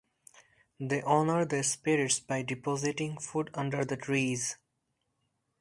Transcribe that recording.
They honor the spirits by depositing food under the trees.